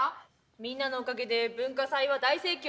みんなのおかげで文化祭は大盛況。